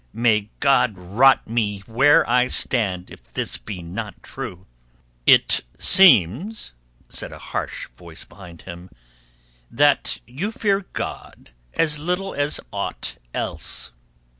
May God rot me where I stand if this be not true!" "It seems," said a harsh voice behind him, "that you fear God as little as aught else."